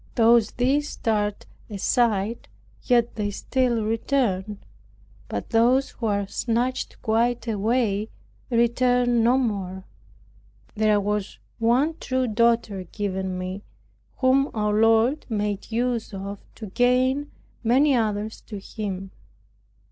Though these start aside, yet they still return. But those who are snatched quite away return no more. There was one true daughter given me, whom our Lord made use of to gain many others to Him.